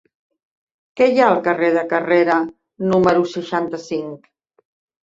Què hi ha al carrer de Carrera número seixanta-cinc?